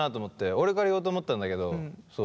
俺から言おうと思ったんだけどそう。